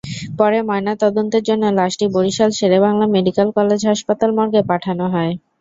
পরে ময়নাতদন্তের জন্য লাশটি বরিশাল শের-ই-বাংলা মেডিকেল কলেজ হাসপাতাল মর্গে পাঠানো হয়।